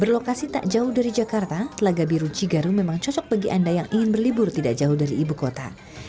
berlokasi tak jauh dari jakarta telaga biru cigaru memang cocok bagi anda yang ingin berlibur tidak jauh dari ibu kota